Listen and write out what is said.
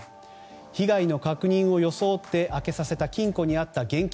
被害の確認を装って開けさせた金庫にあった現金